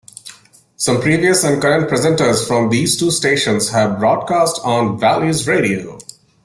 Some previous and current presenters from these two stations have broadcast on Valleys Radio.